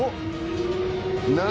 何？